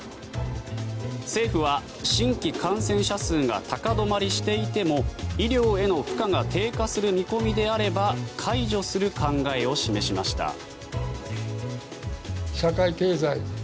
政府は新規感染者数が高止まりしていても医療への負荷が低下する見込みであれば解除する考えを示しました。